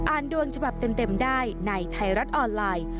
ดวงฉบับเต็มได้ในไทยรัฐออนไลน์